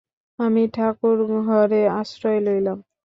আমি ঠাকুর-ঘরে আশ্রয় লইলাম।